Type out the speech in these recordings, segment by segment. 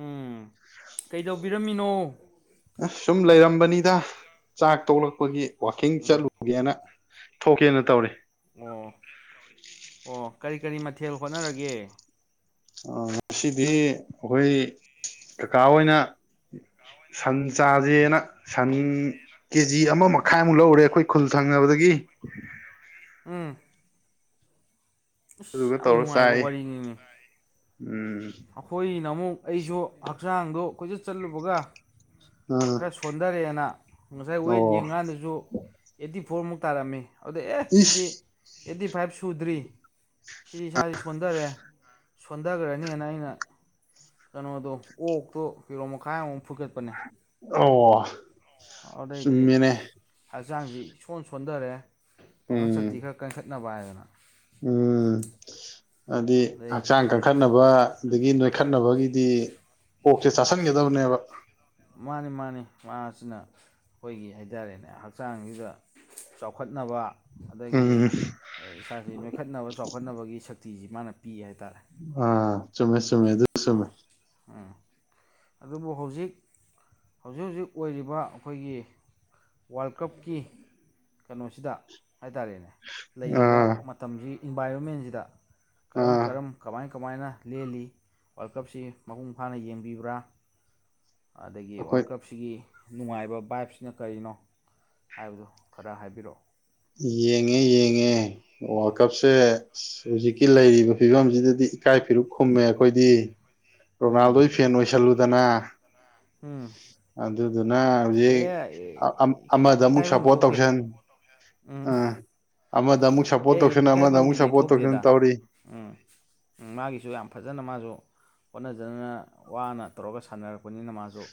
ꯎꯝ ꯀꯩꯗꯧꯕꯤꯔꯝꯃꯤꯅꯣ ꯁꯨꯝ ꯂꯩꯔꯝꯕꯅꯤꯗ ꯆꯥꯛ ꯇꯣꯛꯂꯛꯄꯒꯤ ꯋꯥꯀꯤꯡ ꯎꯝ ꯆꯠꯂꯨꯒꯦꯅ ꯊꯣꯛꯀꯦꯅ ꯇꯧꯔꯦ ꯑꯣ ꯑꯣ ꯀꯔꯤ ꯀꯔꯤ ꯃꯊꯦꯜ ꯍꯣꯠꯅꯔꯒꯦ ꯑ ꯁꯤꯗꯤ ꯑꯩꯈꯣꯏ ꯀꯀꯥ ꯑꯣꯏꯅ ꯁꯟ ꯆꯥꯁꯦꯅ ꯁꯟ ꯀꯦꯖꯤ ꯑꯃꯃ ꯈꯥꯏꯃꯨꯛ ꯂꯧꯔꯦ ꯑꯩꯈꯣꯏ ꯈꯨꯜ ꯊꯪꯉꯕꯗꯒꯤ ꯑꯥ ꯑꯗꯨꯗꯨꯒ ꯌꯥꯝ ꯇꯧꯔ ꯅꯨꯡꯉꯥꯏꯕ ꯆꯥꯏ ꯋꯥꯔꯤꯉ ꯎꯝ ꯑꯩꯈꯣꯏꯅ ꯑꯃꯨꯛ ꯑꯩꯁꯨ ꯍꯛꯆꯥꯡꯗꯣ ꯀꯣꯏꯆꯠ ꯆꯠꯂꯨꯕꯒ ꯑꯥ ꯈꯔ ꯁꯣꯟꯊꯔꯦꯅ ꯉꯁꯥꯏ ꯋꯦꯠ ꯑꯣ ꯌꯦꯡꯉꯀꯥꯟꯗꯁꯨ ꯑꯩꯠꯇꯤ ꯐꯣꯔꯃꯨꯛ ꯇꯥꯔꯝꯃꯤ ꯑꯗꯨꯗ ꯑꯦ ꯁꯤꯗꯤ ꯏꯁ ꯑꯩꯠꯇꯤ ꯐꯥꯏꯚ ꯁꯨꯗ꯭ꯔꯤ ꯁꯤꯗꯤ ꯏꯁꯥꯁꯤ ꯁꯣꯟꯊꯔꯦ ꯁꯣꯟꯊꯈ꯭ꯔꯅꯦꯅ ꯑꯩꯅ ꯀꯩꯅꯣꯗꯣ ꯑꯣꯛꯇꯣ ꯀꯤꯂꯣ ꯃꯈꯥꯏꯃꯨꯛ ꯐꯨꯀꯠꯄꯅꯦ ꯑꯣ ꯑꯗꯨꯗꯩꯗꯤ ꯆꯨꯝꯃꯤꯅꯦ ꯍꯛꯆꯥꯡꯁꯤ ꯏꯁꯣꯟ ꯁꯣꯟꯊꯔꯦ ꯄꯥꯡꯒꯟ ꯁꯛꯇꯤ ꯎꯝ ꯈꯔ ꯀꯟꯈꯠꯅꯕ ꯍꯥꯏꯗꯅ ꯎꯝ ꯑꯗꯨꯗꯤ ꯑꯗꯩ ꯍꯛꯆꯥꯡ ꯀꯟ ꯀꯟꯈꯠꯅꯕ ꯑꯗꯒꯤ ꯅꯣꯏꯈꯠꯅꯕꯒꯤꯗꯤ ꯑꯣꯛꯁꯦ ꯆꯥꯥꯁꯟꯒꯗꯕꯅꯦꯕ ꯃꯥꯅꯤ ꯃꯥꯅꯤ ꯃꯥꯁꯤꯅ ꯑꯩꯈꯣꯏꯒꯤ ꯍꯥꯏꯇꯥꯔꯦꯅꯦ ꯍꯛꯆꯥꯡꯁꯤꯗ ꯆꯥꯎꯈꯠꯅꯕ ꯑꯗꯒꯤ ꯎꯝ ꯏꯁꯥꯁꯤ ꯅꯣꯏꯈꯠꯅꯕ ꯆꯥꯎꯈꯠꯅꯕꯒꯤ ꯁꯛꯇꯤꯁꯤ ꯃꯥꯅ ꯄꯤ ꯍꯥꯏꯇꯥꯔꯦ ꯑꯥ ꯆꯨꯨꯝꯃꯦ ꯆꯨꯨꯝꯃꯦ ꯑꯗꯨ ꯑꯥ ꯆꯨꯝꯃꯦ ꯑꯥ ꯑꯗꯨꯕꯨ ꯍꯧꯖꯤꯛ ꯍꯧꯖꯤꯛ ꯍꯧꯖꯤꯛ ꯑꯣꯏꯔꯤꯕ ꯑꯩꯈꯣꯏꯒꯤ ꯋꯥꯔꯜ ꯀꯞꯀꯤ ꯀꯩꯅꯣꯁꯤꯗ ꯍꯥꯏꯇꯥꯔꯦꯅꯦ ꯂꯩꯔꯤꯕ ꯑꯥ ꯃꯇꯝꯁꯤꯒꯤ ꯏꯟꯚꯥꯏꯔꯣꯟꯃꯦꯟꯁꯤꯗ ꯀꯔꯝ ꯑꯥ ꯀꯔꯝ ꯀꯃꯥꯏꯅ ꯀꯃꯥꯏꯅ ꯂꯦꯜꯂꯤ ꯋꯥꯔꯜ ꯀꯞꯁꯤ ꯃꯄꯨꯡ ꯐꯥꯅ ꯌꯦꯡꯕꯤꯕ꯭ꯔꯥ ꯑꯗꯒꯤ ꯑꯩꯈꯣꯏ ꯋꯥꯔꯜ ꯀꯞ ꯁꯤꯒꯤ ꯅꯨꯡꯉꯥꯏꯕ ꯕꯥꯏꯞꯁꯤꯅ ꯀꯔꯤꯅꯣ ꯍꯥꯏꯕꯗꯨ ꯈꯔ ꯍꯥꯏꯕꯤꯔꯛꯑꯣ ꯌꯦꯡꯉꯦ ꯌꯦꯡꯉꯦ ꯋꯥꯔꯜ ꯀꯞꯁꯦ ꯍꯧꯖꯤꯛꯀꯤ ꯂꯩꯔꯤꯕ ꯐꯤꯕꯝꯁꯤꯗꯗꯤ ꯏꯀꯥꯏ ꯐꯤꯔꯨꯛ ꯈꯨꯝꯃꯦ ꯑꯩꯈꯣꯏꯗꯤ ꯔꯣꯅꯥꯜꯗꯣ ꯎꯝ ꯐꯦꯟ ꯑꯣꯏꯁꯜꯂꯨꯗꯅ ꯎꯝ ꯑꯗꯨꯗꯨꯅ ꯍꯧꯖꯤꯛ ꯑꯦ ꯑꯃꯗ ꯑꯃꯨꯛ ꯏꯀꯥꯏꯐꯝ ꯁꯞꯄꯣꯔꯠ ꯊꯣꯛꯇꯦ ꯇꯧꯁꯟ ꯎꯝ ꯑꯃꯗ ꯑꯃꯨꯛ ꯁꯞꯄꯣꯔꯠ ꯑꯦ ꯇꯧꯁꯟ ꯑꯃꯗ ꯑꯃꯨꯛ ꯏꯀꯥꯏꯐꯝꯒꯤꯗꯤ ꯁꯞꯄꯣꯔꯠ ꯇꯧꯁꯟ ꯊꯣꯛꯇꯦꯗ ꯇꯧꯔꯤ ꯎꯝ ꯃꯥꯒꯤꯁꯨ ꯌꯥꯝ ꯐꯖꯅ ꯃꯥꯁꯨ ꯍꯣꯠꯅꯖꯅ ꯋꯥꯅ ꯇꯧꯔꯒ ꯁꯥꯟꯅꯔꯛꯄꯅꯤꯅ ꯃꯥꯁꯨ ꯑꯣ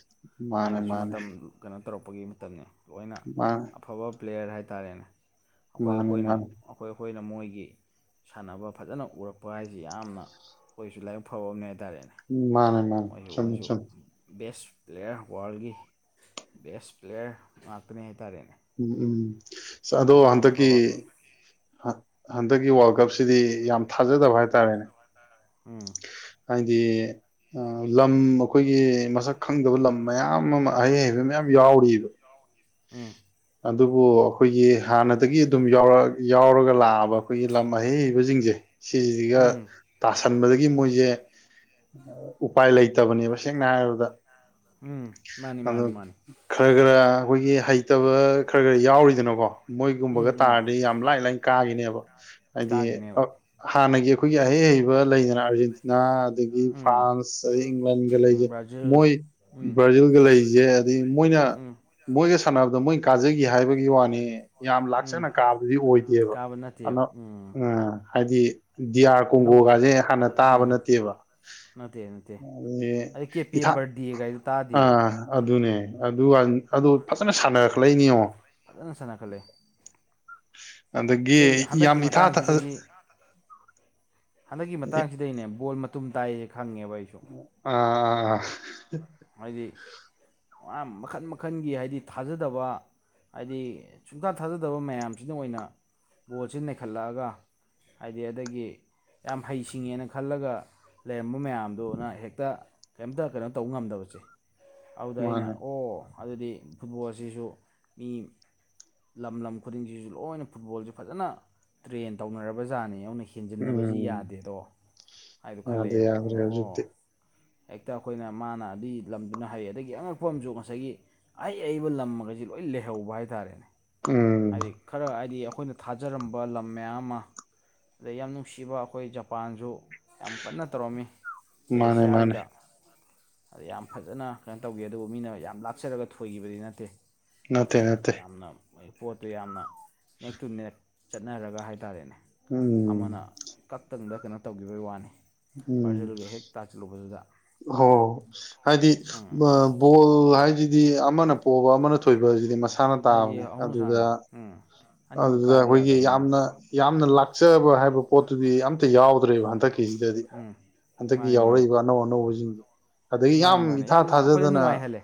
ꯃꯥꯅꯦ ꯃꯥꯒꯤꯁꯨ ꯃꯥꯅꯦ ꯃꯇꯝ ꯀꯩꯅꯣ ꯇꯧꯔꯛꯄꯒꯤ ꯃꯇꯝꯅꯤ ꯂꯣꯏꯅ ꯃꯥꯅꯦ ꯑꯐꯕ ꯄ꯭ꯂꯦꯌꯔ ꯍꯥꯏꯇꯥꯔꯦꯅꯦ ꯑꯩꯈꯣꯏ ꯃꯥꯅꯦ ꯑꯩꯈꯣꯏꯅ ꯃꯥꯅꯦ ꯑꯩꯈꯣꯏ ꯑꯩꯈꯣꯏꯅ ꯃꯣꯏꯒꯤ ꯁꯥꯟꯅꯕ ꯐꯖꯅ ꯎꯔꯛꯄ ꯍꯥꯏꯁꯤ ꯌꯥꯝꯅ ꯑꯩꯈꯣꯏꯁꯨ ꯂꯥꯏꯕꯛ ꯐꯕ ꯑꯃꯅꯦ ꯍꯥꯏꯇꯥꯔꯦꯅꯦ ꯃꯥꯅꯦ ꯃꯥꯅꯦ ꯃꯣꯏꯁꯨ ꯆꯨꯝꯃꯤ ꯃꯣꯏꯁꯨ ꯆꯨꯝꯃꯤ ꯕꯦꯁ ꯄ꯭ꯂꯦꯌꯔ ꯋꯥꯔꯜꯒꯤ ꯕꯦꯁ ꯄ꯭ꯂꯦꯌꯔ ꯉꯥꯛꯇꯅꯤ ꯍꯥꯏꯇꯥꯔꯦꯅꯦ ꯎꯝ ꯎꯝ ꯃꯥꯅ ꯑꯗꯣ ꯌꯥꯝ ꯍꯟꯗꯛꯀꯤ ꯐꯕ ꯍꯟꯗꯛꯀꯤ ꯋꯥꯔꯜ ꯀꯞꯁꯤꯗꯤ ꯌꯥꯝ ꯊꯥꯖꯗꯕ ꯍꯥꯏꯇꯥꯔꯦꯅꯦ ꯎꯝ ꯍꯥꯏꯗꯤ ꯂꯝ ꯑꯩꯈꯣꯏꯒꯤ ꯃꯁꯛ ꯈꯪꯗꯕ ꯂꯝ ꯃꯌꯥꯝ ꯑꯃ ꯑꯍꯩ ꯍꯩꯕ ꯃꯌꯥꯝ ꯌꯥꯎꯔꯤꯕ ꯎꯝ ꯑꯗꯨꯕꯨ ꯑꯩꯈꯣꯏꯒꯤ ꯍꯥꯟꯅꯗꯒꯤ ꯑꯗꯨꯝ ꯌꯥꯎꯔ ꯌꯥꯎꯔꯒ ꯂꯥꯛꯑꯕ ꯑꯩꯈꯣꯏꯒꯤ ꯂꯝ ꯑꯍꯩꯕꯁꯤꯡꯁꯦ ꯁꯤꯁꯤꯒ ꯎꯝ ꯇꯥꯁꯟꯕꯗꯒꯤ ꯃꯣꯏꯁꯦ ꯎꯄꯥꯏ ꯂꯩꯇꯕꯅꯦꯕ ꯁꯦꯡꯅ ꯍꯥꯏꯔꯕꯗ ꯎꯝ ꯃꯥꯅꯤ ꯃꯥꯅꯤ ꯑꯗꯨ ꯃꯥꯅꯤ ꯈꯔ ꯈꯔ ꯑꯩꯈꯣꯏꯒꯤ ꯍꯩꯇꯕ ꯈꯔ ꯈꯔ ꯌꯥꯎꯔꯤꯗꯅꯀꯣ ꯎꯝ ꯃꯣꯏꯒꯨꯝꯕꯒ ꯎꯝ ꯇꯥꯔꯗꯤ ꯌꯥꯝ ꯂꯥꯏꯅ ꯂꯥꯏꯅ ꯀꯥꯈꯤꯅꯦꯕ ꯍꯥꯏꯗꯤ ꯀꯥꯒꯤꯅꯦꯕ ꯍꯥꯟꯅꯒꯤ ꯑꯩꯈꯣꯏꯒꯤ ꯑꯍꯩ ꯍꯩꯕ ꯂꯩꯗꯅ ꯑꯥꯔꯖꯦꯟꯇꯤꯅꯥ ꯑꯗꯒꯤ ꯎꯝ ꯐ꯭ꯔꯥꯟꯁ ꯑꯗꯩ ꯏꯪꯂꯦꯟꯒ ꯂꯩꯁꯦ ꯕ꯭ꯔꯥꯖꯤꯜ ꯃꯣꯏ ꯎꯝ ꯕ꯭ꯔꯥꯖꯤꯜꯒ ꯂꯩꯁꯦ ꯑꯗꯩ ꯃꯣꯏꯅ ꯎꯝ ꯃꯣꯏꯅ ꯁꯥꯟꯅꯕꯗꯣ ꯃꯣꯏ ꯀꯥꯖꯈꯤ ꯍꯥꯏꯕꯒꯤ ꯋꯥꯅꯤ ꯌꯥꯝ ꯎꯝ ꯂꯥꯛꯆꯅ ꯀꯥꯕꯗꯨꯗꯤ ꯑꯣꯏꯗꯦꯕ ꯀꯥꯕ ꯅꯠꯇꯦ ꯑꯗꯣ ꯎꯝ ꯍꯥꯏꯗꯤ ꯗꯤ ꯌꯑꯥꯔ ꯑꯅꯧꯕ ꯀꯣꯡꯒꯣꯒꯁꯦ ꯍꯥꯟꯅ ꯇꯥꯕ ꯎꯝ ꯅꯠꯇꯦꯕ ꯅꯠꯇꯦ ꯅꯠꯇꯦ ꯅꯪꯗꯤ ꯑꯗꯩ ꯀꯦꯄꯦ ꯏꯊꯥ ꯕꯔꯗꯦ ꯒꯥꯏꯗꯣ ꯇꯥꯗꯦꯕ ꯑ ꯑꯗꯨꯅꯦ ꯑꯗꯨꯒ ꯑꯗꯨ ꯐꯖꯅ ꯁꯥꯟꯅꯔꯦ ꯅ ꯁꯅ ꯈꯜꯦ [unintelligible] ꯑꯗꯒꯤ ꯍꯟꯗꯛꯀꯤ ꯌꯥꯝ ꯏꯊꯥ ꯃꯇꯥꯡꯁꯤꯗꯒꯤ ꯍꯟꯗꯛꯀꯤ ꯃꯇꯥꯡꯁꯤꯗꯅꯦ ꯕꯣꯜ ꯃꯇꯨꯝ ꯇꯥꯏꯁꯦ ꯈꯪꯉꯦꯕ ꯑꯩꯁꯨ ꯑꯥ ꯑꯥ ꯑꯥ ꯍꯥꯏꯗꯤ ꯌꯥꯝ ꯃꯈꯟ ꯃꯈꯜꯒꯤ ꯍꯥꯏꯗꯤ ꯊꯥꯖꯗꯕ ꯍꯥꯏꯗꯤ ꯁꯨꯡꯇꯥ ꯊꯥꯖꯗꯕ ꯃꯌꯥꯝꯁꯤꯅ ꯑꯣꯏꯅ ꯕꯣꯜꯁꯤ ꯅꯩꯈꯠꯂꯛꯑꯒ ꯍꯥꯏꯗꯤ ꯑꯗꯒꯤ ꯌꯥꯝ ꯍꯩꯁꯤꯡꯉꯦꯅ ꯈꯜꯂꯒ ꯂꯩꯔꯝꯕ ꯃꯌꯥꯝꯗꯨꯅ ꯍꯦꯛꯇ ꯀꯔꯤꯝꯇ ꯀꯩꯅꯣ ꯇꯧꯕ ꯉꯝꯗꯕ ꯆꯠ ꯑꯗꯨꯗ ꯑꯩꯅ ꯃꯥꯅꯦ ꯑꯣ ꯑꯗꯨꯗꯤ ꯐꯨꯠꯕꯣꯜ ꯑꯁꯤꯁꯨ ꯃꯤ ꯂꯝ ꯂꯝ ꯈꯨꯗꯤꯡꯁꯤꯁꯨ ꯂꯣꯏꯅ ꯐꯨꯠꯕꯣꯜꯁꯦ ꯐꯖꯅ ꯇ꯭ꯔꯦꯟ ꯇꯧꯅꯔꯕ ꯖꯥꯠꯅꯤ ꯌꯥꯎꯅꯈꯤ ꯊꯤꯟꯖꯤꯟꯅꯕꯕꯁꯤ ꯎꯝ ꯌꯥꯗꯦꯗꯣ ꯍꯥꯏꯗꯣ ꯌꯥꯗ꯭ꯔꯦ ꯈꯜꯂꯛꯑꯦꯕ ꯌꯥꯗ꯭ꯔꯦ ꯑꯗꯨꯅ ꯑꯣ ꯍꯧꯖꯤꯛꯇꯤ ꯍꯦꯛꯇ ꯑꯩꯈꯣꯏꯅ ꯃꯥꯅ ꯑꯗꯨꯏ ꯂꯝꯗꯨꯅ ꯍꯩꯌꯦ ꯑꯗꯒꯤ ꯑꯉꯛꯄ ꯑꯃꯁꯨ ꯉꯁꯥꯏꯒꯤ ꯑꯩ ꯑꯏꯕ ꯂꯝꯃꯩꯁꯤꯦ ꯂꯣꯏ ꯂꯩꯍꯧꯕ ꯍꯥꯏꯇꯥꯔꯦꯅꯦ ꯎꯝ ꯍꯥꯏꯗꯤ ꯈꯔ ꯍꯥꯏꯗꯤ ꯑꯩꯈꯣꯏꯅ ꯊꯥꯖꯔꯝꯕ ꯂꯝ ꯃꯌꯥꯝ ꯑꯃ ꯑꯗꯩ ꯌꯥꯝ ꯅꯨꯡꯁꯤꯕ ꯑꯩꯈꯣꯏ ꯖꯄꯥꯟꯁꯨ ꯌꯥꯝ ꯀꯟꯅ ꯇꯧꯔꯝꯃꯤ ꯑꯩꯈꯣꯏ ꯃꯥꯅꯦ ꯃꯥꯅꯦ ꯑꯦꯁꯤꯌꯥꯒꯤꯗ ꯑꯗ ꯌꯥꯝ ꯐꯖꯅ ꯀꯩꯅꯣ ꯇꯧꯈꯤ ꯑꯗꯨꯕꯨ ꯃꯤꯅ ꯌꯥꯝ ꯂꯥꯞꯆꯔꯒ ꯊꯣꯏꯈꯤꯕꯗꯤ ꯅꯠꯇꯦ ꯅꯠꯇꯦ ꯍꯥꯏꯗꯤ ꯅꯠꯇꯦ ꯌꯥꯝꯅ ꯄꯣꯠꯇꯨ ꯌꯥꯝꯅ ꯅꯦꯦꯛ ꯇꯨ ꯅꯦꯠ ꯆꯠꯅꯔꯒ ꯍꯥꯏꯇꯥꯔꯦꯅꯦ ꯎꯝ ꯑꯃꯅ ꯀꯛꯇꯪꯗ ꯀꯩꯅꯣ ꯇꯧꯈꯤꯕꯒꯤ ꯋꯥꯅꯤ ꯕ꯭ꯔꯔꯖꯤꯜꯒ ꯍꯦꯛ ꯇꯥꯁꯤꯜꯂꯨꯕꯗꯨꯗ ꯍ ꯍꯥꯏꯗꯤ ꯎꯝ ꯑ [unintelligible] ꯕꯣꯜ ꯍꯥꯏꯁꯤꯗꯤ ꯑꯃꯅ ꯄꯣꯛꯑꯕ ꯑꯃꯅ ꯊꯣꯏꯕ ꯍꯥꯏꯁꯤꯗꯤ ꯃꯁꯥꯅ ꯃꯥꯁꯦ ꯇꯥꯕꯅꯦ ꯑꯗꯨꯗ ꯑꯍꯨꯝꯁꯥꯅꯤ ꯎꯝ ꯑꯅꯤꯃꯛ ꯑꯗꯨꯗ ꯀꯥꯗꯤ ꯑꯩꯈꯣꯏꯒꯤ ꯌꯥꯗꯕꯅꯤꯅ ꯌꯥꯝꯅ ꯌꯥꯝꯅ ꯂꯥꯛꯆꯕ ꯍꯥꯏꯕ ꯄꯣꯠꯇꯨꯗꯤ ꯑꯝꯇ ꯌꯥꯎꯗ꯭ꯔꯦꯕ ꯍꯟꯗꯛ ꯀꯦꯖꯤꯗꯗꯤ ꯎꯝ ꯍꯟꯗꯛꯀꯤ ꯃꯥꯅꯤ ꯃꯥꯅꯤ ꯌꯥꯎꯔꯛꯏꯕ ꯑꯅꯧ ꯑꯅꯧꯕꯁꯤꯡꯁꯦ ꯑꯗꯒꯤ ꯃꯥꯅꯤ ꯌꯥꯝ ꯃꯥꯅꯤ ꯏꯊꯥ ꯌꯥꯝꯅ ꯑꯩꯈꯣꯏꯗ ꯊꯥꯖꯗꯅ ꯅꯨꯡꯉꯥꯏꯍꯜꯂꯦ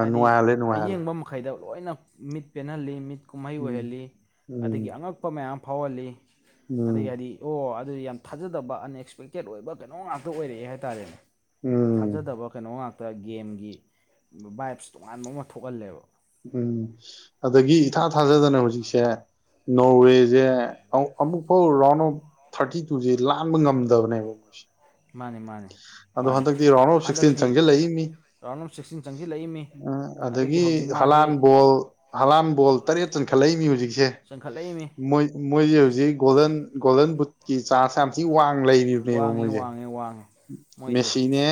ꯍꯥꯏꯗꯤ ꯅꯨꯡꯉꯥꯏꯍꯜꯂꯦ ꯅꯨꯡꯉꯥꯏꯍꯜꯂꯦ ꯑꯌꯦꯡꯕ ꯃꯈꯩꯗ ꯂꯣꯏꯅ ꯃꯤꯠ ꯄꯦꯟꯍꯜꯂꯤ ꯃꯤꯠ ꯀꯨꯝꯍꯩ ꯎꯝ ꯑꯣꯏꯍꯜꯂꯤ ꯎꯝ ꯑꯗꯒꯤ ꯑꯉꯛ ꯑꯄ ꯃꯌꯥꯝ ꯐꯥꯎꯍꯜꯂꯤ ꯎꯝ ꯑꯗꯒꯤ ꯍꯥꯏꯗꯤ ꯑꯣ ꯑꯗꯨꯗꯤ ꯌꯥꯝ ꯊꯥꯖꯗꯕ ꯑꯟꯑꯁꯄꯦꯛꯇꯦꯠ ꯑꯣꯏꯕ ꯀꯩꯅꯣ ꯉꯥꯛꯇ ꯑꯣꯏꯔꯛꯑꯦ ꯍꯥꯏꯇꯥꯔꯦꯅꯦ ꯎꯝ ꯊꯥꯖꯗꯕ ꯀꯩꯅꯣ ꯉꯥꯛꯇ ꯒꯦꯝꯒꯤ ꯕꯥꯏꯞꯁ ꯇꯣꯉꯥꯟꯕ ꯑꯃ ꯊꯣꯛꯍꯜꯂꯦꯕ ꯎꯝ ꯑꯗꯒꯤ ꯏꯊꯥ ꯊꯥꯖꯗꯅ ꯍꯧꯖꯤꯛꯁꯦ ꯅꯣꯔꯋꯦꯁꯦ ꯑꯃꯨꯛ ꯐꯥꯎ ꯔꯥꯎꯟ ꯑꯣꯐ ꯊꯥꯔꯇꯤ ꯇꯨꯁꯦ ꯂꯥꯡꯕ ꯉꯝꯗꯕꯅꯦꯕ ꯃꯣꯏꯁꯦ ꯃꯥꯅꯦ ꯃꯥꯅꯦ ꯑꯗꯣ ꯍꯟꯗꯛꯇꯤ ꯔꯥꯎꯟ ꯑꯣꯐ ꯁꯤꯛꯁꯇꯤꯟ ꯆꯪꯁꯤꯜꯂꯛꯏꯅꯤ ꯔꯥꯎꯟ ꯑꯣꯐ ꯁꯤꯛꯁꯇꯤꯟ ꯆꯪꯁꯤꯜꯂꯛꯏꯃꯤ ꯎꯝ ꯑꯗꯒꯤ ꯍꯧꯖꯤꯛ ꯍꯂꯥꯜ ꯃꯥꯁꯤ ꯕꯣꯜ ꯍꯂꯝꯕꯣꯜ ꯇꯔꯦꯠ ꯆꯟꯈꯠꯂꯛꯏꯅꯤ ꯍꯧꯖꯤꯛꯁꯦ ꯆꯟꯈꯠꯂꯛꯏꯃꯤ ꯃꯣꯏ ꯃꯣꯏꯁꯦ ꯍꯧꯖꯤꯛ ꯒꯣꯜꯗꯟ ꯒꯣꯜꯗꯟ ꯕꯨꯠꯀꯤ ꯆꯥꯔꯖ ꯌꯥꯝ ꯊꯤꯛ ꯋꯥꯡ ꯂꯩꯔꯤꯕꯅꯦꯕ ꯃꯣꯏꯁꯦ ꯃꯦ ꯋꯥꯡ ꯃꯦꯁꯤꯅꯦ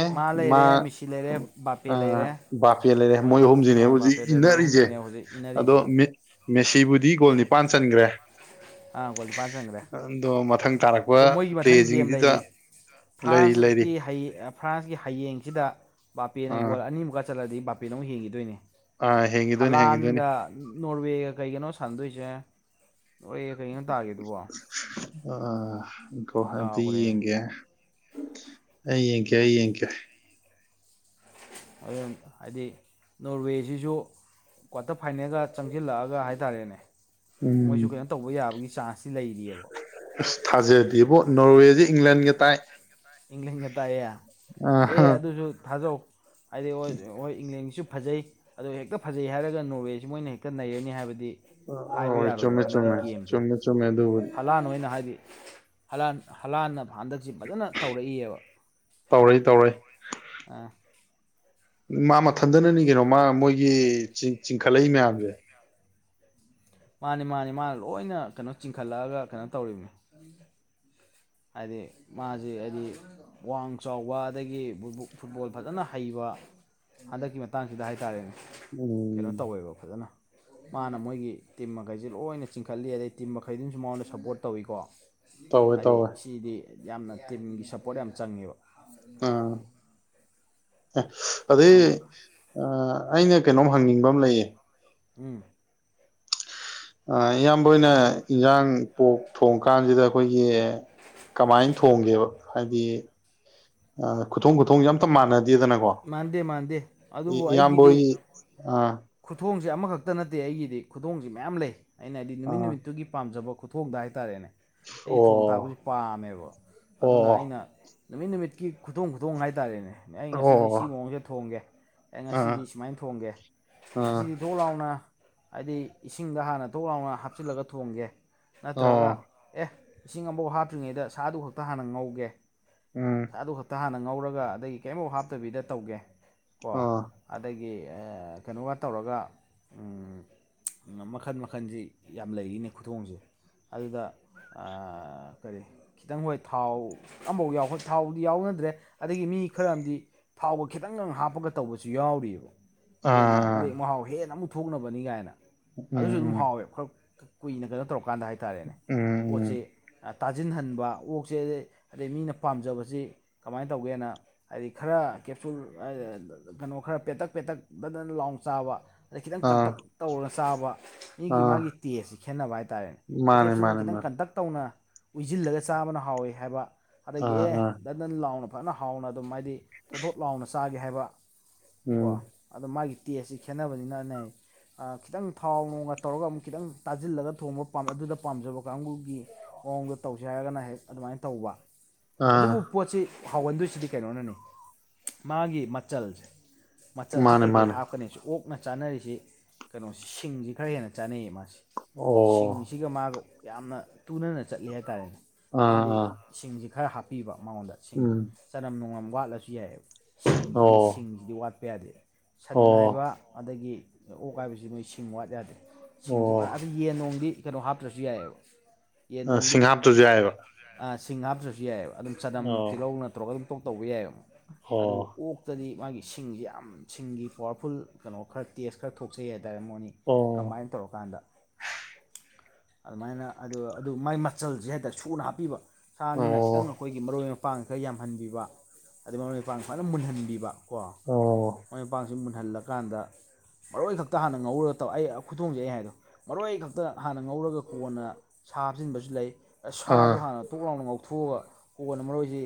ꯃꯥ ꯃꯤꯁꯤ ꯂꯩꯔꯦ ꯕꯥꯄꯦ ꯂꯩꯔꯦ ꯕꯥꯄꯦꯜ ꯂꯩꯔꯦ ꯃꯣꯏ ꯍꯍꯨꯝꯁꯤꯅꯦ ꯑꯥ ꯍꯧꯖꯤꯛ ꯕꯥꯄꯦ ꯂꯩ ꯃꯣꯏ ꯏꯟꯅꯔꯤꯁꯦ ꯑꯍꯨꯝꯁꯤꯅꯦ ꯍꯧꯖꯤꯛ ꯑꯗꯣ ꯏꯟꯅꯔꯤꯁꯦ ꯃꯦꯁꯤꯕꯨꯗꯤ ꯒꯣꯜ ꯅꯤꯄꯥꯟ ꯆꯟꯈ꯭ꯔꯦ ꯑꯥ ꯒꯣꯜ ꯅꯤꯄꯥꯟ ꯆꯟꯈ꯭ꯔꯦ ꯑꯗꯣ ꯃꯊꯪ ꯇꯥꯔꯛꯄ ꯑꯗꯣ ꯃꯣꯏꯒꯤ ꯃꯊꯪ ꯒꯦꯝ ꯄ꯭ꯂꯦꯁꯤꯡꯁꯤꯗ ꯂꯩꯔꯤ ꯂꯩꯔꯤ ꯂꯩꯔꯤ ꯐ꯭ꯔꯥꯟꯁꯀꯤ ꯍꯩ ꯑ ꯐ꯭ꯔꯥꯟꯁꯀꯤ ꯍꯌꯦꯡꯁꯤꯗ ꯕꯥꯄꯦꯅ ꯑꯥ ꯒꯣꯜ ꯑꯅꯤꯃꯨꯛꯀ ꯆꯠꯂꯗꯤ ꯕꯥꯄꯦꯅ ꯑꯃꯨꯛ ꯍꯦꯟꯈꯤꯗꯣꯏꯅꯦ ꯑꯥ ꯍꯦꯡꯈꯤꯗꯣꯏꯅꯤ ꯍꯦꯡꯈꯤꯗꯣꯏꯅꯤ ꯍꯂꯥꯟꯒ ꯅꯣꯔꯋꯦꯒ ꯀꯩꯒꯅꯣ ꯁꯥꯟꯅꯗꯣꯏꯁꯦ ꯅꯣꯔꯋꯦꯒ ꯀꯩꯒꯅꯣ ꯇꯥꯒꯤꯗꯨꯕꯣ ꯑꯑꯥ ꯉꯈꯣ ꯑꯝꯇ ꯀꯥꯎꯈ꯭ꯔꯦꯅꯦ ꯌꯦꯡꯒꯦ ꯑꯩ ꯌꯦꯡꯀꯦ ꯑꯩ ꯌꯦꯡꯀꯦ ꯑꯗꯨꯝ ꯍꯥꯏꯗꯤ ꯅꯣꯔꯋꯦꯁꯤꯁꯨ ꯀ꯭ꯋꯥꯇꯔ ꯐꯥꯏꯅꯦꯜꯒ ꯆꯪꯁꯤꯜꯂꯛꯑꯒ ꯍꯥꯏꯇꯥꯔꯦꯅꯦ ꯎꯝ ꯃꯣꯏꯁꯨ ꯀꯩꯅꯣ ꯇꯧꯕ ꯌꯥꯕꯒꯤ ꯆꯥꯟꯁꯇꯤ ꯂꯩꯔꯤꯑꯕ ꯑꯁ ꯊꯥꯖꯗꯦꯕꯣ ꯅꯣꯔꯋꯦꯗꯤ ꯏꯪꯂꯟꯒ ꯇꯥꯏ ꯏꯪꯂꯟꯒ ꯇꯥꯏꯌꯦ ꯑ ꯑꯦ ꯑꯗꯨꯁꯨ ꯊꯥꯖꯧ ꯍꯥꯏꯗꯤ ꯍ ꯍꯣꯏ ꯏꯪꯂꯦꯟꯒꯤꯁꯨ ꯐꯖꯩ ꯑꯗꯣ ꯍꯦꯛꯇ ꯐꯖꯩ ꯍꯥꯏꯔꯒ ꯅꯣꯔꯋꯦꯁꯤ ꯃꯣꯏꯅ ꯍꯦꯛꯇ ꯅꯩꯔꯅꯤ ꯍꯥꯏꯕꯗꯤ ꯍꯥꯏꯕ ꯍꯣꯏ ꯌꯥꯔꯣꯏꯕ ꯆꯨꯝꯃꯦ ꯍꯟꯗꯛꯀꯤ ꯆꯨꯝꯃꯦ ꯒꯦꯝꯁꯦ ꯆꯨꯝꯃꯦ ꯆꯨꯝꯃꯦ ꯑꯗꯨꯕꯨꯗꯤ ꯍꯂꯥꯟ ꯑꯣꯏꯅ ꯍꯥꯏꯗꯤ ꯥꯍꯂꯥꯟ ꯍꯂꯥꯟꯅ ꯍꯟꯗꯛꯁꯤ ꯐꯖꯅ ꯇꯧꯔꯛꯏꯑꯕ ꯇꯧꯔꯩ ꯇꯧꯔꯛꯏ ꯑ ꯃꯥ ꯃꯊꯟꯗꯅꯅꯤ ꯀꯩꯅꯣ ꯃꯥ ꯃꯣꯏꯒꯤ ꯆꯤꯡ ꯆꯤꯡꯈꯠꯂꯛꯏ ꯎꯝ ꯃꯌꯥꯝꯁꯦ ꯃꯥꯅꯤ ꯃꯥꯅꯤ ꯃꯥꯅ ꯂꯣꯏꯅ ꯀꯩꯅꯣ ꯆꯤꯡꯈꯠꯂꯛꯑꯒ ꯀꯩꯅꯣ ꯇꯧꯔꯤꯕꯅꯤ ꯍꯥꯏꯗꯤ ꯃꯥꯁꯤ ꯍꯥꯏꯗꯤ ꯋꯥꯡ ꯆꯥꯎꯕ ꯑꯗꯒꯤ [unintelligible] ꯐꯨꯠꯕꯣꯜ ꯐꯖꯅ ꯍꯩꯕ ꯍꯟꯗꯛꯀꯤ ꯃꯇꯥꯡꯁꯤꯗ ꯍꯥꯏꯇꯥꯔꯦꯅꯦ ꯀꯩꯅꯣ ꯎꯝ ꯇꯧꯋꯦꯕ ꯐꯖꯅ ꯃꯥꯅ ꯃꯣꯏꯒꯤ ꯇꯤꯝ ꯃꯈꯩꯁꯤ ꯂꯣꯏꯅ ꯆꯤꯡꯈꯠꯂꯤ ꯑꯗꯩ ꯇꯤꯝ ꯃꯈꯩꯗꯨꯅꯁꯨ ꯃꯉꯣꯟꯗ ꯁꯞꯄꯣꯔꯠ ꯇꯧꯋꯤꯀꯣ ꯇꯧꯋꯦ ꯍꯥꯏꯗꯤ ꯇꯧꯋꯦ ꯁꯤꯗꯤ ꯌꯥꯝꯅ ꯇꯤꯝꯒꯤ ꯁꯞꯄꯣꯔꯠ ꯌꯥꯝ ꯆꯪꯉꯦꯕ ꯑ ꯑꯦ ꯑꯗꯩ ꯑꯗꯨꯅ ꯑꯥ ꯑꯩꯅ ꯀꯩꯅꯣꯝ ꯍꯪꯅꯤꯡꯕ ꯑꯃ ꯂꯩꯌꯦ ꯎꯝ ꯑꯥ ꯏꯌꯥꯝꯕ ꯑꯣꯏꯅ ꯏꯟꯖꯥꯡ ꯄꯣꯛ ꯊꯣꯡ ꯀꯥꯟꯖꯤꯗ ꯑꯩꯈꯣꯏꯒꯤ ꯀꯃꯥꯏꯟ ꯊꯣꯡꯒꯦꯕ ꯍꯥꯏꯗꯤ ꯑ ꯈꯨꯠ ꯊꯣꯡ ꯈꯨꯊꯣꯡ ꯑꯝꯇ ꯃꯥꯟꯅꯗꯦꯗꯅꯀꯣ ꯃꯥꯟꯗꯦ ꯃꯥꯟꯗꯦ ꯑꯗꯨꯕꯨ ꯑꯩꯒꯤꯗꯤ ꯏꯌꯥꯝꯕꯍꯣꯏ ꯑꯥ ꯈꯨꯊꯣꯡꯁꯦ ꯑꯃꯈꯛꯇ ꯅꯠꯇꯦ ꯑꯩꯒꯤꯗꯤ ꯈꯨꯗꯣꯡꯁꯤ ꯃꯌꯥꯝ ꯂꯩ ꯑꯩꯅ ꯍꯥꯏꯗꯤ ꯅꯨꯃꯤꯠ ꯑꯥ ꯅꯨꯃꯤꯠꯇꯨꯒꯤ ꯄꯥꯝꯖꯕ ꯈꯨꯠ ꯊꯣꯡꯗ ꯍꯥꯏꯇꯥꯔꯦꯅꯦ ꯑꯩ ꯊꯣꯡ ꯊꯥꯛꯄꯁꯤ ꯑꯣ ꯄꯥꯝꯃꯦꯕ ꯑꯗꯨꯅ ꯑꯣ ꯑꯩꯅ ꯅꯨꯃꯤꯠ ꯅꯨꯃꯤꯠꯀꯤ ꯈꯨꯗꯣꯡ ꯈꯨꯗꯣꯡ ꯍꯥꯏꯇꯥꯔꯦꯅꯦ ꯑꯩ ꯉ ꯁꯤꯗꯤ ꯑꯣ ꯁꯤ ꯃꯑꯣꯡꯁꯤꯗ ꯊꯣꯡꯒꯦ ꯑꯩ ꯑꯥ ꯉꯁꯤꯗꯤ ꯁꯨꯃꯥꯏꯅ ꯊꯣꯡꯒꯦ ꯑꯥ ꯉꯁꯤꯗꯤ ꯊꯣꯛ ꯂꯥꯎꯅ ꯍꯥꯏꯗꯤ ꯏꯁꯤꯡꯗ ꯍꯥꯟꯅ ꯊꯣꯛ ꯂꯥꯎꯅ ꯍꯥꯞꯆꯤꯜꯂꯒ ꯊꯣꯡꯒꯦ ꯅꯠꯇ꯭ꯔꯒ ꯑꯣ ꯑꯦ ꯏꯁꯤꯡ ꯑꯃꯐꯧ ꯍꯥꯞꯇ꯭ꯔꯤꯉꯩꯗ ꯁꯥꯗꯨ ꯈꯛꯇ ꯍꯥꯟꯅ ꯉꯧꯒꯦ ꯎꯝ ꯑꯗꯨ ꯈꯛꯇ ꯍꯥꯟꯅ ꯉꯧꯔꯒ ꯑꯗꯩ ꯀꯦꯝꯐꯧ ꯍꯥꯞꯇꯕꯤꯗ ꯇꯧꯒꯦ ꯀꯣ ꯑꯣ ꯑꯗꯒꯤ ꯑ ꯀꯩꯅꯣꯒ ꯇꯧꯔꯒ ꯎꯝ ꯃꯈꯟ ꯃꯈꯟꯁꯤ ꯌꯥꯝ ꯂꯩꯔꯤꯅꯦ ꯈꯨꯊꯣꯡꯁꯦ ꯑꯗꯨꯗ ꯑꯥ ꯀꯔꯤ ꯈꯤꯇꯪ ꯕꯧꯍꯦꯛ ꯊꯥꯎ ꯑꯝꯐꯥꯎ ꯌꯥꯎꯍꯟ ꯊꯥꯎꯗꯤ ꯌꯥꯎꯅꯗ꯭ꯔꯦ ꯑꯗꯒꯤ ꯃꯤ ꯈꯔꯝꯗꯤ ꯊꯥꯎꯕ ꯈꯤꯇꯪꯒ ꯍꯥꯞꯄꯒ ꯇꯧꯕꯁꯨ ꯌꯥꯎꯔꯤꯕ ꯍꯦꯟꯅ ꯑꯥ ꯃꯔꯦꯛ ꯃꯍꯥꯎ ꯍꯦꯟꯅ ꯑꯃꯨꯛ ꯊꯣꯛꯅꯕꯅꯤ ꯒꯥꯏꯅ ꯎꯝ ꯑꯗꯨꯁꯨ ꯑꯗꯨꯝ ꯎꯝ ꯍꯥꯎꯋꯦꯕ ꯈꯔ ꯀꯨꯏꯅ ꯀꯩꯅꯣ ꯇꯧꯔꯀꯥꯟꯗ ꯍꯥꯏ ꯇꯥꯔꯦꯅꯦ ꯎꯝ ꯎꯝ ꯄꯣꯠꯁꯤ ꯇꯥꯁꯤꯟꯍꯟꯕ ꯑꯣꯛꯁꯦ ꯑꯗꯩ ꯃꯤꯅ ꯄꯥꯝꯖꯕꯁꯤ ꯀꯃꯥꯏꯟ ꯇꯧꯒꯦꯅ ꯍꯥꯏꯗꯤ ꯈꯔ ꯀꯦꯞꯁꯨꯜ ꯑ ꯀꯩꯅꯣ ꯈꯔ ꯄꯦꯇꯛ ꯄꯦꯇꯛ ꯗꯗ ꯂꯥꯎꯟ ꯆꯥꯕ ꯑꯗ ꯈꯤꯇꯪ ꯑꯥ ꯀꯟꯗꯛ ꯇꯧꯔꯒ ꯆꯥꯕ ꯃꯤꯒꯤ ꯑꯥ ꯃꯥꯒꯤ ꯇꯦꯁꯁꯤ ꯈꯦꯠꯅꯕ ꯍꯥꯏꯇꯥꯔꯦꯅꯦ ꯑꯦ ꯃꯥꯅꯦ ꯀꯦꯞꯁꯨꯜ ꯃꯥꯅꯦ ꯈꯤꯇꯪ ꯃꯥꯅꯦ ꯀꯟꯇꯛ ꯇꯧꯅ ꯎꯏꯖꯤꯜꯂꯒ ꯆꯥꯕꯅ ꯍꯥꯎꯏ ꯍꯥꯏꯕ ꯑꯗꯒꯤ ꯑꯥ ꯑꯦ ꯑꯥ ꯗꯟ ꯗꯟ ꯂꯥꯎꯅ ꯐꯖꯅ ꯍꯥꯎꯅ ꯑꯗꯨꯝ ꯍꯥꯏꯗꯤ ꯄꯣꯊꯣꯠ ꯂꯥꯎꯅ ꯆꯥꯒꯦ ꯍꯥꯏꯕ ꯀꯣ ꯎꯝ ꯑꯗꯣ ꯃꯥꯒꯤ ꯇꯦꯁꯁꯤ ꯈꯦꯠꯅꯕꯅꯤꯅꯅꯦ ꯑꯩ ꯈꯤꯇꯪ ꯊꯥꯎ ꯅꯣꯡꯅ ꯇꯧꯔꯒ ꯑꯃꯨꯛ ꯈꯤꯇꯪ ꯇꯥꯖꯤꯜꯂꯒ ꯊꯣꯡꯕ ꯄꯥꯝ ꯑꯗꯨꯗ ꯄꯥꯝꯖꯕ ꯀꯥꯡꯕꯨꯒꯤ ꯃꯑꯣꯡꯗ ꯇꯧꯁꯦ ꯍꯥꯏꯔꯒꯅ ꯍꯦꯛ ꯑꯗꯨꯃꯥꯏꯅ ꯇꯧꯕ ꯑꯥ ꯑꯗꯨꯕꯨ ꯄꯣꯠꯁꯤ ꯍꯥꯎꯒꯟꯗꯣꯏꯁꯤꯗꯤ ꯀꯩꯅꯣꯅꯅꯤ ꯃꯥꯒꯤ ꯃꯆꯜꯁꯦ ꯃꯆꯜꯁꯦ ꯃꯥꯅꯦ ꯀꯩꯀꯩ ꯃꯥꯅꯦ ꯍꯥꯞꯀꯅꯤ ꯁꯤ ꯑꯣꯛ ꯀꯛꯅ ꯆꯥꯅꯔꯤꯁꯤ ꯀꯩꯅꯣꯁꯤ ꯁꯤꯡꯁꯤ ꯈꯔ ꯍꯦꯟꯅ ꯆꯥꯅꯩꯌꯦ ꯃꯥꯁꯤꯦ ꯑꯣ ꯁꯤꯡꯁꯤꯒ ꯃꯥꯒ ꯌꯥꯝꯅ ꯇꯨꯅꯅ ꯆꯠꯂꯤ ꯍꯥꯏꯇꯥꯔꯦꯅꯦ ꯑꯥ ꯃꯥꯗꯤ ꯑꯥ ꯁꯤꯡꯁꯤ ꯈꯔ ꯍꯥꯞꯄꯤꯕ ꯃꯉꯣꯟꯗ ꯁꯤꯡꯁꯦ ꯎꯝ ꯆꯅꯝ ꯅꯅꯨꯡꯉꯝ ꯋꯥꯠꯂꯁꯨ ꯌꯥꯏꯑꯕ ꯁꯤꯡꯁꯤꯗꯤ ꯑꯣ ꯁꯤꯡꯁꯤ ꯁꯤꯗꯤ ꯋꯥꯠꯄ ꯌꯥꯗꯦ ꯁꯟ ꯍꯥꯏꯕ ꯑꯣ ꯑꯗꯒꯤ ꯑꯣꯛ ꯍꯥꯏꯥꯏꯕꯁꯤ ꯃꯣꯏ ꯁꯤꯡ ꯋꯥꯠ ꯌꯥꯗꯦ ꯁꯤꯡꯁꯤ ꯑꯣ ꯑꯗꯨꯗ ꯌꯦꯟ ꯣꯡꯗꯤ ꯀꯩꯅꯣ ꯍꯥꯞꯇ꯭ꯔꯁꯨ ꯌꯥꯏꯑꯕ ꯌꯦꯟ ꯣꯡꯗꯤ ꯁꯤꯡꯍꯥꯞꯇꯨꯁꯨ ꯌꯥꯏꯑꯕ ꯁꯤꯡ ꯍꯥꯞꯇ꯭ꯔꯁꯨ ꯌꯥꯏꯑꯕ ꯑꯗꯨꯝ ꯆꯅꯝ ꯑꯣ ꯇꯤꯜꯍꯧ ꯅꯠꯇ꯭ꯔꯒ ꯑꯗꯨꯝ ꯇꯣꯛ ꯇꯧꯕ ꯌꯥꯏꯑꯕ ꯑꯗꯨ ꯑꯣ ꯑꯣꯛ ꯇꯗꯤ ꯃꯥꯒꯤ ꯁꯤꯡꯁꯦ ꯌꯥꯝ ꯁꯤꯡꯒꯤ ꯄꯋꯥꯔꯐꯨꯜ ꯀꯩꯅꯣ ꯈꯔ ꯇꯦꯁ ꯈꯔ ꯊꯣꯛꯆꯩ ꯍꯥꯏꯇꯥꯔꯦ ꯃꯣꯏꯅꯤ ꯑꯣ ꯀꯃꯥꯏꯅ ꯇꯧꯔꯀꯥꯟꯗ ꯑꯗꯨꯃꯥꯏꯅ ꯑꯗꯨ ꯑꯗꯨ ꯃꯥꯏ ꯃꯆꯜꯁꯦ ꯍꯥꯏꯇꯥꯔꯦ ꯁꯨꯅ ꯍꯥꯞꯄꯤꯕ ꯁꯥꯅꯤꯅ ꯑꯣ ꯈꯤꯇꯪ ꯑꯩꯈꯣꯏꯒꯤ ꯃꯔꯣꯏ ꯃꯄꯥꯡ ꯈꯔ ꯌꯥꯝꯍꯟꯕꯤꯕ ꯑꯗꯨ ꯃꯔꯨ ꯃꯄꯥꯡ ꯁꯃꯥꯏꯅ ꯃꯨꯟꯍꯟꯕꯤꯕ ꯀꯣ ꯑꯣ ꯃꯔꯣꯏ ꯃꯄꯥꯡꯁꯤ ꯃꯨꯟꯍꯜꯂꯀꯥꯟꯗ ꯃꯔꯣꯏ ꯈꯛꯇ ꯍꯥꯟꯅ ꯉꯧꯔꯒ ꯇꯧ ꯑꯩ ꯈꯨꯊꯣꯡꯁꯦ ꯑꯩ ꯍꯥꯏꯗꯣ ꯃꯔꯣꯏ ꯈꯛꯇ ꯍꯥꯟꯅ ꯉꯧꯔꯒ ꯀꯣꯟꯅ ꯁꯥꯞꯆꯤꯟꯕꯁꯨ ꯂꯩ ꯁꯥꯗꯣ ꯑꯥ ꯍꯥꯟꯅ ꯇꯣꯛ ꯂꯥꯎꯅ ꯉꯥꯎꯊꯣꯛꯑꯒ ꯀꯣꯟꯅ ꯃꯔꯣꯏꯁꯤ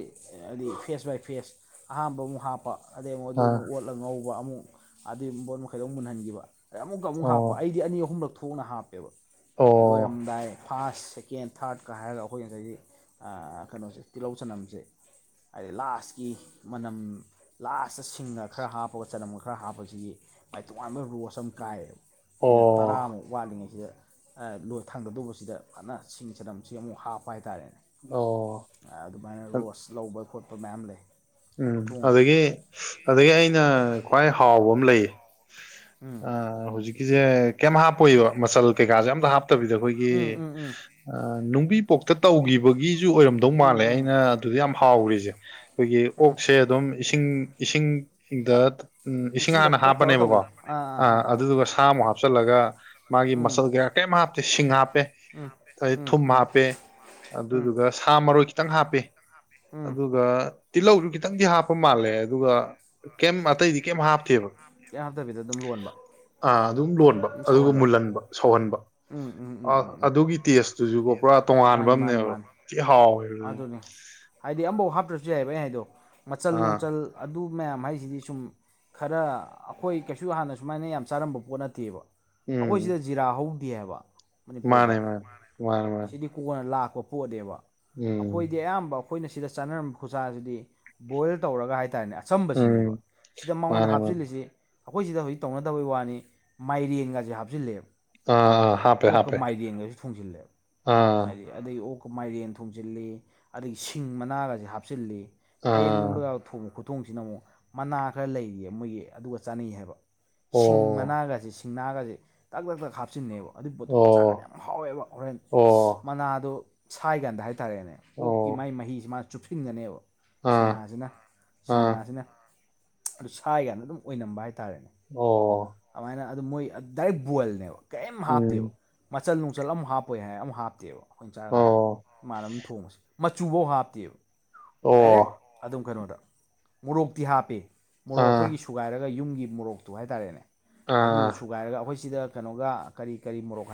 ꯍꯥꯏꯗꯤ ꯐꯦꯁ ꯕꯥꯏ ꯐꯦꯁ ꯑꯍꯥꯝꯕ ꯑꯃꯨꯛ ꯍꯥꯞꯄ ꯑꯗꯩ ꯑꯃꯨꯛ ꯑꯗꯨ ꯑꯥ ꯑꯃꯨꯛ ꯑꯣꯠꯂꯒ ꯉꯧꯕ ꯑꯃꯨꯛ ꯑꯗꯨꯒꯤ ꯄꯕꯣꯠ ꯃꯈꯩꯗꯣ ꯑꯃꯨ ꯃꯨꯟꯍꯟꯈꯤꯕ ꯑꯩ ꯑꯃꯨꯛꯀ ꯑꯃꯨꯛ ꯍꯥꯞꯄ ꯑꯣ ꯑꯩꯗꯤ ꯑꯅꯤ ꯑꯍꯨꯝꯂꯛ ꯊꯣꯛꯅ ꯍꯥꯞꯄꯦꯕ ꯑꯣ ꯂꯣꯏꯔꯝꯗꯥꯏ ꯐꯥꯔꯁ ꯁꯦꯀꯦꯟ ꯊꯥꯔꯠꯀ ꯍꯥꯏꯔꯒ ꯑꯩꯈꯣꯏ ꯉꯁꯥꯏꯒꯤ ꯀꯩꯅꯣꯁꯦ ꯇꯤꯜꯍꯧ ꯆꯅꯝꯁꯦ ꯍꯥꯏꯗꯤ ꯂꯥꯁꯀꯤ ꯃꯅꯝ ꯂꯥꯁꯇ ꯁꯤꯡꯅ ꯈꯔ ꯍꯥꯞꯄꯒ ꯆꯂꯝꯒ ꯈꯔ ꯍꯥꯞꯄꯁꯤꯒꯤ ꯃꯥꯏ ꯇꯣꯉꯥꯟꯕ ꯔꯣꯁ ꯑꯃ ꯀꯥꯏꯌꯦꯕ ꯃꯤꯅꯠ ꯑꯣ ꯇꯔꯥꯃꯨꯛ ꯋꯥꯠꯂꯤꯉꯩꯁꯤꯗ ꯂꯣꯏ ꯊꯥꯡꯗꯗꯧꯕꯁꯤꯗ ꯐꯖꯅ ꯁꯤꯡ ꯆꯅꯝꯁꯤ ꯑꯃꯨꯛ ꯍꯥꯞꯄ ꯍꯥꯏꯇꯥꯔꯦꯅꯦ ꯑꯣ ꯑꯗꯨꯃꯥꯏꯅ ꯔꯣꯁ ꯂꯧꯕ ꯈꯣꯠꯄ ꯃꯌꯥꯝ ꯂꯩ ꯎꯝ ꯈꯨꯊꯣꯡꯁꯦ ꯑꯗꯨꯗꯒꯤ ꯑꯗꯒꯤ ꯑꯩꯅ ꯈ꯭ꯋꯥꯏ ꯍꯥꯎꯕ ꯑꯃ ꯂꯩꯌꯦ ꯎꯝ ꯑ ꯍꯧꯖꯤꯛꯀꯤꯁꯦ ꯀꯩꯝ ꯍꯥꯞꯄꯣꯏꯕ ꯃꯆꯜ ꯀꯩꯀꯥꯁꯦ ꯎꯝ ꯑꯝꯇ ꯍꯥꯞꯇꯕꯤꯗ ꯑꯩꯈꯣꯏꯒꯤ ꯎꯝ ꯎꯝ ꯅꯨꯡꯕꯤ ꯀꯣꯛꯇ ꯇꯧꯈꯤꯕꯒꯤꯁꯨ ꯑꯣꯏꯔꯝꯗꯧ ꯎꯝ ꯃꯥꯜꯂꯦ ꯎꯝ ꯎꯝ ꯑꯩꯅ ꯑꯗꯨꯗ ꯌꯥꯝ ꯍꯥꯎꯈꯔꯤꯁꯦ ꯑꯩꯈꯣꯏꯒꯤ ꯎꯝ ꯁꯦ ꯑꯗꯨꯝ ꯏꯁꯤꯡ ꯏꯁꯤꯡꯗ ꯎꯝ ꯏꯁꯤꯡ ꯃꯤꯆꯤꯟꯗ ꯍꯥꯟꯅ ꯈꯛꯇ ꯇꯧꯔ ꯍꯥꯞꯄꯅꯦꯕꯀꯣ ꯇꯧꯕꯗꯣ ꯑꯥ ꯑꯥ ꯑ ꯑꯥ ꯑꯥ ꯑꯗꯨꯗꯨꯒ ꯁꯥꯃꯨꯛ ꯍꯥꯞꯆꯤꯜꯂꯒ ꯃꯥꯒꯤ ꯃꯁꯜ ꯀꯩꯀꯥ ꯀꯔꯤꯝ ꯍꯥꯞꯇꯦ ꯁꯤꯡ ꯍꯥꯞꯄꯦ ꯑꯩ ꯎꯝ ꯊꯨꯝ ꯎꯝ ꯍꯥꯞꯄꯦ ꯎꯝ ꯑꯗꯨꯗꯨꯒ ꯁꯥ ꯃꯔꯣꯏ ꯈꯤꯇꯪ ꯍꯥꯞꯄꯦ ꯎꯝ ꯑꯗꯨꯒ ꯇꯤꯜꯍꯧꯁꯨ ꯈꯤꯇꯪꯗꯤ ꯍꯥꯞꯄ ꯃꯥꯜꯂꯦ ꯑꯗꯨꯒ ꯀꯦꯝ ꯑꯇꯩꯗꯤ ꯀꯩꯝ ꯌꯥꯗꯕꯤꯗ ꯑꯗꯨꯝ ꯂꯣꯟꯕ ꯑ ꯑꯗꯨꯝ ꯂꯣꯟꯕ ꯑꯗꯨꯝ ꯑꯗꯨꯒ ꯁꯧꯍꯟꯕ ꯃꯨꯜꯍꯟꯕ ꯁꯧꯍꯟꯕ ꯎꯝ ꯎꯝ ꯑ ꯎꯝ ꯎꯝ ꯎꯝ ꯑꯗꯨꯒꯤ ꯇꯦꯁꯇꯨꯁꯨꯀꯣ ꯄꯨꯔꯥ ꯇꯣꯉꯥꯟꯕ ꯃꯥꯅꯤ ꯃꯥꯅꯤ ꯑꯃꯅꯦꯕ ꯃꯥꯅꯤ ꯍꯥꯎꯋꯦꯕ ꯑꯗꯨꯅꯤ ꯍꯥꯏꯗꯤ ꯑꯃꯐꯧ ꯍꯥꯞꯇ꯭ꯔꯁꯨ ꯌꯥꯏꯑꯕ ꯑꯩ ꯍꯥꯏꯗꯣ ꯃꯆꯜ ꯑꯥ ꯅꯨꯡꯆꯜ ꯑꯗꯨ ꯃꯌꯥꯝ ꯍꯥꯏꯁꯤꯗꯤ ꯁꯨꯝ ꯈꯔ ꯑꯩꯈꯣꯏ ꯀꯩꯁꯨ ꯍꯥꯟꯅ ꯁꯨꯃꯥꯏꯅ ꯌꯥꯝ ꯆꯥꯔꯝꯕ ꯄꯣꯠ ꯅꯠꯇꯦꯕ ꯑꯩꯈꯣꯏ ꯁꯤꯗ ꯎꯝ ꯖꯤꯔꯥ ꯍꯧꯗꯦ ꯍꯥꯏꯕ ꯃꯅꯤꯄꯨꯔꯗ ꯃꯥꯅꯦ ꯃꯥꯅꯦ ꯃꯥꯅꯦ ꯃꯥꯅꯦ ꯁꯤꯗꯤ ꯀꯣꯟꯅ ꯂꯥꯛꯄ ꯄꯣꯠꯅꯦꯕ ꯎꯝ ꯑꯩꯈꯣꯏꯗꯤ ꯑꯌꯥꯝꯕ ꯑꯩꯈꯣꯏꯅ ꯁꯤꯗ ꯆꯥꯅꯔꯝꯕ ꯈꯨꯠꯁꯥꯁꯤꯗꯤ ꯕꯣꯏꯜ ꯇꯧꯔꯒ ꯍꯥꯏꯇꯥꯔꯦꯅꯦ ꯑ ꯆꯝꯕꯁꯤꯅꯦꯕ ꯎꯝ ꯁꯤꯗ ꯃꯉꯣꯟꯗ ꯃꯥꯅꯦ ꯃꯥꯅꯦ ꯍꯥꯞꯆꯤꯜꯂꯤꯁꯤ ꯑꯩꯈꯣꯏ ꯁꯤꯗ ꯍꯧꯖꯤꯛ ꯇꯧꯅꯗꯕꯩ ꯋꯥꯅꯤ ꯃꯥꯏꯔꯦꯟꯒꯁꯤꯦ ꯍꯥꯞꯆꯤꯜꯂꯦꯕ ꯑꯥ ꯑꯥ ꯍꯥꯞꯄꯦ ꯑꯣꯛꯀ ꯍꯥꯞꯄꯦ ꯃꯥꯏꯗꯦꯡꯒꯁꯨ ꯊꯣꯡꯁꯤꯜꯂꯦꯕ ꯑꯥ ꯍꯥꯏꯗꯤ ꯑꯗꯗꯒꯤ ꯑꯣꯛꯀ ꯃꯥꯏꯔꯦꯟ ꯊꯣꯡꯖꯤꯜꯂꯤ ꯑꯗꯒꯤ ꯁꯤꯡ ꯃꯅꯥꯒꯁꯤꯦ ꯍꯥꯞꯆꯤꯜꯂꯤ ꯑꯥ ꯐꯌꯦꯡꯣꯝꯗꯒ ꯊꯣꯡꯕ ꯈꯨꯊꯣꯡꯁꯤꯅ ꯑꯃꯨꯛ ꯃꯅꯥ ꯈꯔ ꯂꯩꯔꯤꯌꯦ ꯃꯣꯏꯒꯤ ꯑꯗꯨꯒ ꯆꯥꯅꯩ ꯍꯥꯏꯕ ꯑꯣ ꯁꯤꯡ ꯃꯅꯥꯒꯁꯦ ꯁꯤꯡ ꯅꯥꯒꯁꯦ ꯇꯛ ꯇꯛ ꯇꯛ ꯍꯥꯞꯆꯤꯟꯅꯦꯕ ꯑꯗꯨꯏ ꯄꯣꯠꯇꯨ ꯆꯥꯒꯥꯟꯅ ꯑꯣ ꯌꯥꯝ ꯍꯥꯎꯋꯦꯕ ꯍꯣꯔꯦꯟ ꯑꯣ ꯃꯅꯥꯗꯣ ꯁꯥꯏꯀꯥꯟꯗ ꯍꯥꯏꯔꯦ ꯍꯥꯏꯇꯥꯔꯦꯅꯦ ꯑꯣ ꯑꯣꯛꯀꯤ ꯃꯥꯒꯤ ꯃꯍꯤꯁꯤ ꯃꯥꯅ ꯆꯨꯞꯁꯤꯟꯒꯅꯦꯕ ꯑꯥ ꯁꯤꯡꯅꯥꯁꯤꯅ ꯁꯤꯡ ꯑꯥ ꯃꯅꯥꯁꯤꯅ ꯑꯗꯨ ꯁꯥ ꯀꯥꯟꯅ ꯑꯗꯨꯝ ꯑꯣꯏꯅꯝꯕ ꯍꯥꯏꯇꯥꯔꯦꯅꯦ ꯑꯣ ꯑꯗꯨꯃꯥꯏꯅ ꯑꯗꯨ ꯃꯣꯏ ꯗꯥꯏꯔꯦꯛ ꯕꯣꯜꯅꯦꯕ ꯀꯔꯤꯝ ꯍꯥꯞꯇꯦꯕ ꯎꯝ ꯃꯆꯜ ꯅꯨꯡꯆꯜ ꯑꯃ ꯍꯥꯞꯄꯣꯏ ꯍꯥꯏꯔ ꯑꯃ ꯍꯥꯞꯇꯦꯕ ꯑꯩꯈꯣꯏꯅ ꯆꯥꯔꯀꯥꯟꯗ ꯑꯣ ꯏꯃꯥꯟꯅ ꯑꯃꯝ ꯊꯣꯡꯉꯁꯦ ꯃꯆꯨꯐꯧ ꯍꯥꯞꯇꯦꯕ ꯗꯥꯏꯔꯦꯛ ꯑꯣ ꯑꯗꯨꯝ ꯀꯩꯅꯣꯗ ꯃꯣꯔꯣꯛꯇꯤ ꯍꯥꯞꯄꯦ ꯃꯣꯛ ꯑꯥ ꯑꯩꯈ ꯁꯨꯒꯥꯏꯔꯒ ꯌꯨꯝꯒꯤ ꯃꯣꯔꯣꯛꯇꯨ ꯍꯥꯏꯇꯥꯔꯦꯅꯦ ꯑꯗꯨꯏꯗꯨ ꯑꯥ ꯁꯨꯒꯥꯏꯔꯒ ꯑꯩꯈꯣꯏ ꯁꯤꯗ ꯀꯩꯅꯣꯒ ꯀꯔꯤ ꯀꯔꯤ ꯃꯣꯔꯣꯛ